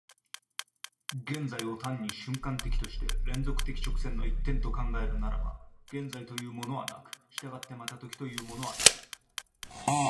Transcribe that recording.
現在を単に瞬間的として連続的直線の一点と考えるならば、現在というものはなく、従ってまた時というものはない。